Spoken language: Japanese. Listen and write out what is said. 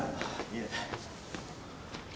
いえ。